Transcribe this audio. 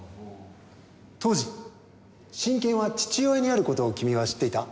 当時親権は父親にある事を君は知っていた？